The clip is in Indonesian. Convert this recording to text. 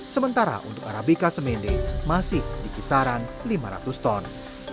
sementara untuk arabica semende masih di kisaran lima ratus ton